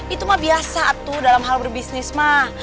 itu mah biasa tuh dalam hal berbisnis mah